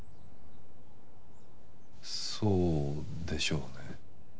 そうでしょうね。